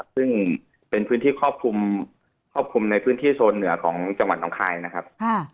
ซึ่งเป็นพื้นที่ครอบคลุมครอบคลุมในพื้นที่โซนเหนือของจังหวัดน้องคายนะครับ